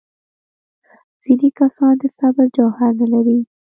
ځینې کسان د صبر جوهر نه لري.